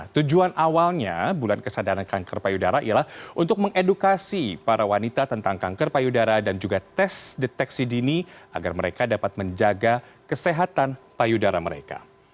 tujuan awalnya bulan kesadaran kanker payudara ialah untuk mengedukasi para wanita tentang kanker payudara dan juga tes deteksi dini agar mereka dapat menjaga kesehatan payudara mereka